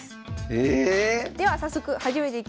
ええ⁉では早速始めていきましょう。